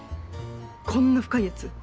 こんな深いやつ。